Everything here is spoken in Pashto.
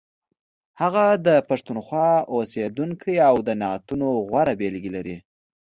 هغه د پښتونخوا اوسیدونکی او د نعتونو غوره بېلګې لري.